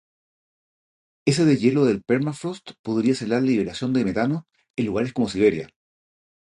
Ese deshielo del permafrost podría acelerar la liberación de metano en lugares como Siberia.